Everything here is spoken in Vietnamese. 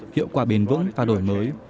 hiệu quả bền vững và đổi mới